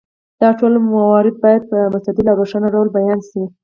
دا ټول موارد باید په مستدل او روښانه ډول بیان شي.